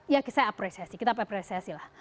ya kita apresiasi kita apresiasi lah